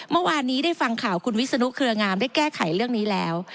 เมื่อวานนี้ได้ฟังข่าวคุณวิศนุเครืองามได้แก้ไขเรื่องนี้แล้ว